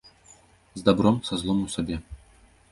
З дабром, са злом у сабе.